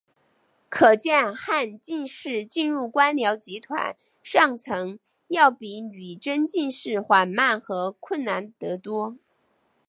可见汉进士进入官僚集团上层要比女真进士缓慢和困难得多。